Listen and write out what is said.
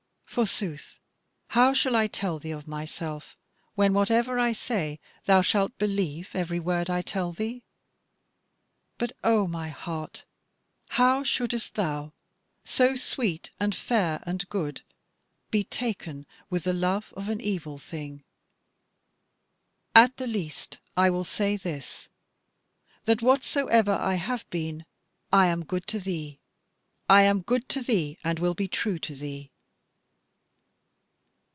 Forsooth how shall I tell thee of myself, when, whatever I say, thou shalt believe every word I tell thee? But O my heart, how shouldest thou, so sweet and fair and good, be taken with the love of an evil thing? At the least I will say this, that whatsoever I have been, I am good to thee I am good to thee, and will be true to thee."